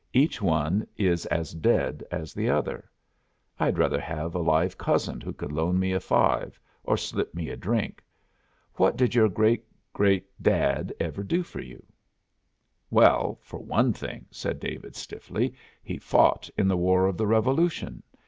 Each one is as dead as the other. I'd rather have a live cousin who could loan me a five, or slip me a drink. What did your great great dad ever do for you?" "Well, for one thing," said David stiffly, "he fought in the War of the Revolution.